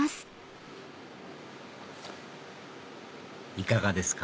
いかがですか？